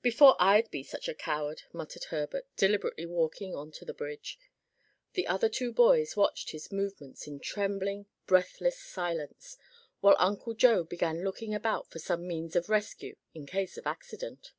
"Before I'd be such a coward!" muttered Herbert, deliberately walking on to the bridge. The other two boys watched his movements in trembling, breathless silence, while Uncle Joe began looking about for some means of rescue in case of accident.